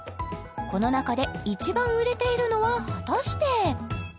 この中で一番売れているのは果たして？